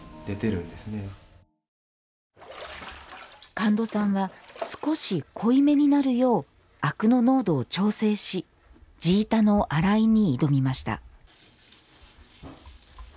神門さんは少し濃い目になるよう灰汁の濃度を調整し地板の洗いに挑みました。